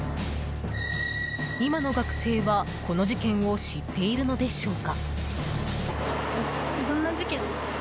今の学生は、この事件を知っているのでしょうか？